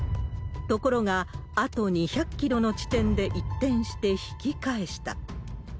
ところが、あと２００キロの地点で一転して引き返した。